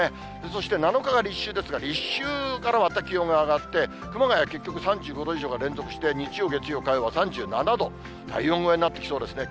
そして７日が立秋ですが、立秋からまた気温が上がって、熊谷、結局３５度以上が連続して、日曜、月曜、火曜は３７度、体温超えになってきそうですね。